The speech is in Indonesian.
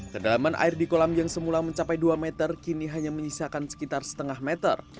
kedalaman air di kolam yang semula mencapai dua meter kini hanya menyisakan sekitar setengah meter